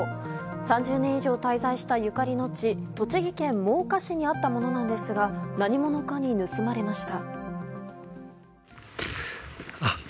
３０年以上滞在したゆかりの地栃木県真岡市にあったものなんですが何者かに盗まれました。